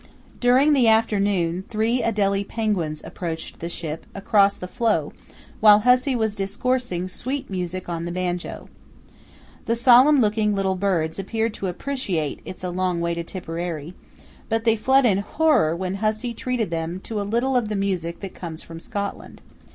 During the afternoon three adelie penguins approached the ship across the floe while Hussey was discoursing sweet music on the banjo. The solemn looking little birds appeared to appreciate "It's a Long Way to Tipperary," but they fled in horror when Hussey treated them to a little of the music that comes from Scotland.